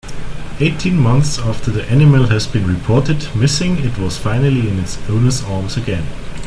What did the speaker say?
Eighteen months after the animal has been reported missing it was finally in its owner's arms again.